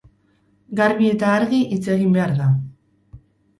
Garbi eta argi hitz egin behar da.